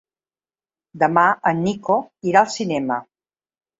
Demà en Nico irà al cinema.